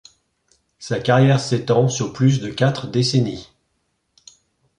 Sa carrière s'étend sur plus de quatre décennies.